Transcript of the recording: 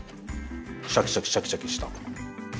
シャキシャキシャキシャキした。